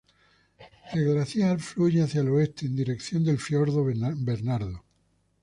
El glaciar fluye hacia el oeste en dirección del fiordo Bernardo.